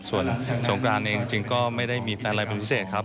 ส่วนสงกรานเองจริงก็ไม่ได้มีแพลนอะไรเป็นพิเศษครับ